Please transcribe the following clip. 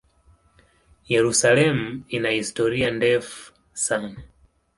Yerusalemu ina historia ndefu sana.